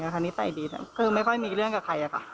คือไม่ค่อยมีเรื่องกับใครค่ะ